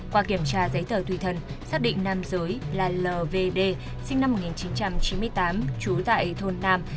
qua kiểm tra giấy tờ tùy thân xác định nam giới là lvd sinh năm một nghìn chín trăm chín mươi tám trú tại thôn nam